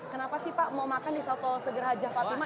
kenapa sih pak mau makan di soto seger haja fatima